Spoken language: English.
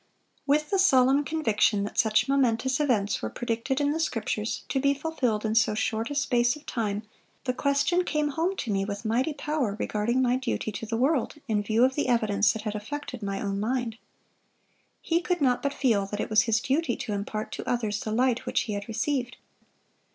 (548) "With the solemn conviction that such momentous events were predicted in the Scriptures to be fulfilled in so short a space of time, the question came home to me with mighty power regarding my duty to the world, in view of the evidence that had affected my own mind."(549) He could not but feel that it was his duty to impart to others the light which he had received.